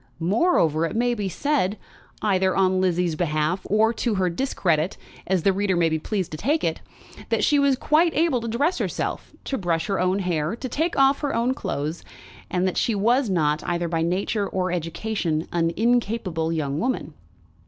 Moreover, it may be said, either on Lizzie's behalf or to her discredit, as the reader may be pleased to take it, that she was quite able to dress herself, to brush her own hair, to take off her own clothes; and that she was not, either by nature or education, an incapable young woman.